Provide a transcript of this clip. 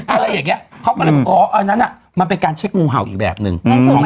อะไรอย่างนี้มันเป็นการเช็คงูเห่าอีกแบบหนึ่ง